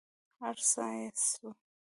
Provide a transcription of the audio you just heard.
ارڅه چې څو